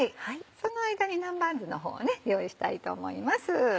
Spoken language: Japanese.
その間に南蛮酢の方を用意したいと思います。